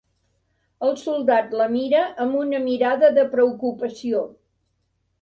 El soldat la mira amb una mirada de preocupació.